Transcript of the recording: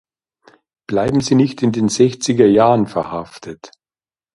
Bleiben Sie nicht in den Sechzigerjahren verhaftet.